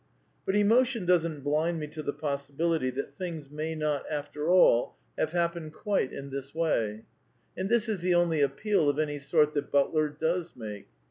But emotion doesn't blind me to the possibility that things may not, after all, have hap INTKODUCTION vii pened quite in this way. And thia is the only " appeal " of any sort that Butler does make.